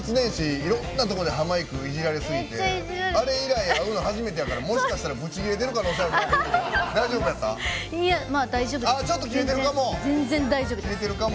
いろんなところでハマいくいじられすぎて、あれ以来会うの初めてやからもしかしたらぶち切れてるかも。